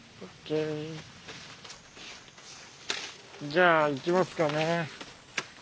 じゃあ行きますかね。